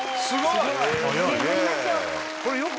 すごい。